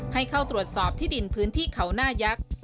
ให้เข้าตรวจสอบที่ดินพื้นที่เขาหน้ายักษ์